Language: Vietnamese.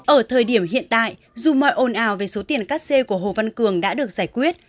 ở thời điểm hiện tại dù mọi ồn ào về số tiền cắt xê của hồ văn cường đã được giải quyết